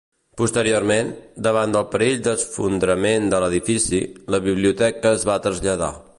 Posteriorment, davant del perill d'esfondrament de l'edifici, la biblioteca es va traslladar.